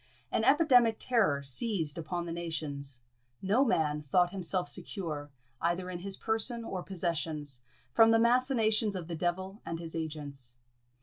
An epidemic terror seized upon the nations; no man thought himself secure, either in his person or possessions, from the machinations of the devil and his agents.